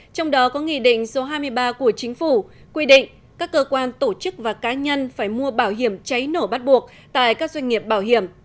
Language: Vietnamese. trong đó có nghị định số hai mươi ba của chính phủ quy định các cơ quan tổ chức và cá nhân phải mua bảo hiểm cháy nổ bắt buộc tại các doanh nghiệp bảo hiểm